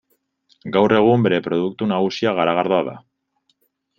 Gaur egun bere produktu nagusia garagardoa da.